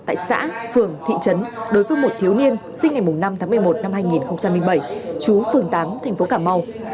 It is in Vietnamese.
tại xã phường thị trấn đối với một thiếu niên sinh ngày năm tháng một mươi một năm hai nghìn bảy chú phường tám thành phố cà mau